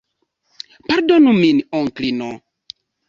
Pardonu min, Onklino.